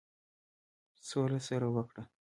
سوله سره وکړه.